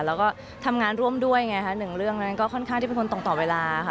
แล้วก็ทำงานร่วมด้วยไงค่ะหนึ่งเรื่องนั้นก็ค่อนข้างที่เป็นคนตรงต่อเวลาค่ะ